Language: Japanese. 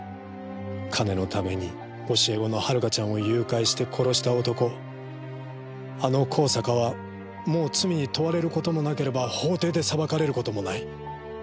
金のために教え子の遥ちゃんを誘拐して殺した男あの香坂はもう罪に問われる事もなければ法廷で裁かれる事もない。